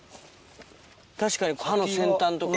確かに葉の先端とか。